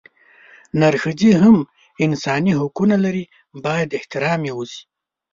نرښځي هم انساني حقونه لري بايد احترام يې اوشي